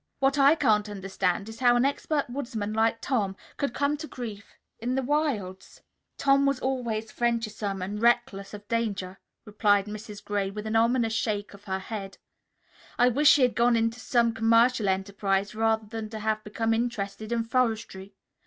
What I can't understand is how an expert woodsman like Tom could come to grief in the wilds." "Tom was always venturesome and reckless of danger," replied Mrs. Gray with an ominous shake of her head. "I wish he had gone into some commercial enterprise rather than to have become interested in forestry.